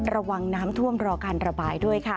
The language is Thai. ระวังน้ำท่วมรอการระบายด้วยค่ะ